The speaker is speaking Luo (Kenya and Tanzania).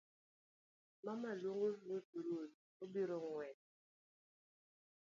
mama; luongo ruoth ruoth; obiro ng'wech